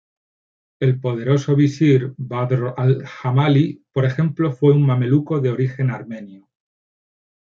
El poderoso visir Badr al-Jamali, por ejemplo, fue un mameluco de origen armenio.